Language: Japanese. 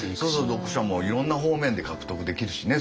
読者もいろんな方面で獲得できるしね